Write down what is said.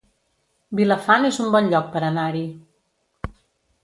Vilafant es un bon lloc per anar-hi